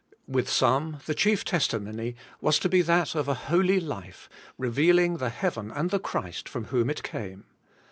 With some the chief testimony was to be that of a holy life, revealing the heaven and the Christ from whom it came.